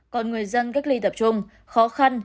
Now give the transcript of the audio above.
còn người dân gác ly tập trung khó khăn